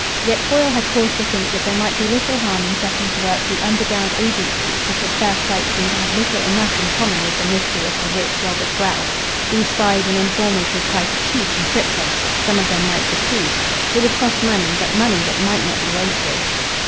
Yet Foyle had cause to think that there might be little harm in setting to work the underground agencies which at first sight seemed to have little enough in common with the mystery of the rich Robert Grell. These spies and informers would try to cheat and trick him. Some of them might succeed. It would cost money, but money that might not be wasted.